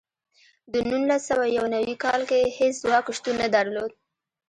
د نولس سوه یو نوي کال کې هېڅ ځواک شتون نه درلود.